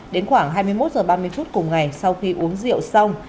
đến khoảng hai mươi một h ba mươi phút cùng ngày sau khi uống rượu xong